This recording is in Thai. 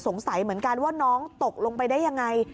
สงสัยเหมือนกันว่าน้องตกลงไปได้ยังไง